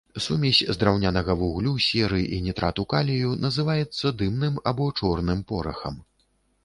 Сумесь з драўнянага вуглю, серы і нітрату калію называецца дымным, або чорным порахам.